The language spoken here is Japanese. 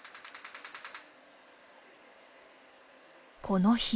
この日。